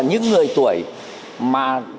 những người tuổi mà